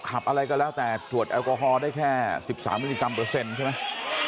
อะไรก็แล้วแต่ตรวจแอลกอฮอล์ได้แค่๑๓มิลลิกรัมเปอร์เซ็นต์ใช่ไหม